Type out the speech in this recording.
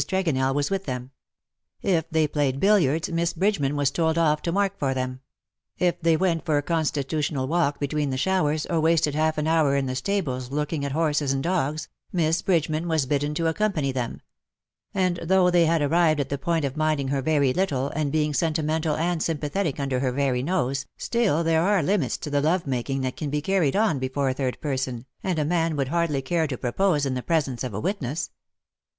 Trcgonell was with them ; if they played billiards, Miss Bridgeman was told oif to mark for them ; if they went for a con 104 ^^ LOVE ! THOU ART LEADIXG ME stitutional walk between the showers,, or wasted half an hour in the stables looking at horses and dogs^ Miss Bridgeman was bidden to accompany them ; and though they had arrived at the point of minding her very little, and being sentimental and sympathetic under her very nose, still there are limita to the love making that can be carried on before a third person, and a man would hardly care to propose in the presence of a witness.